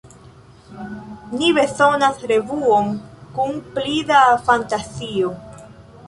Ni bezonas revuon kun pli da fantazio.